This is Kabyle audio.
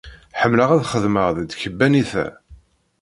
Ḥemmleɣ ad xedmeɣ deg tkebbanit-a.